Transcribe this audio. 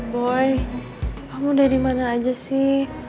boy kamu dari mana aja sih